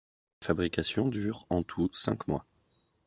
La fabrication dure en tout cinq mois.